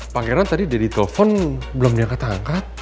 pangeran tadi dia ditelepon belum nyangkat angkat